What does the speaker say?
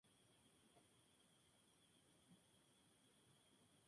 Sus restos fueron llevados a San Sebastián, donde fue enterrado.